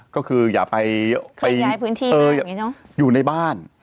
ก็คืออย่าไปอยู่ในบ้าน